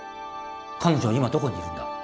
彼女は今どこにいるんだ？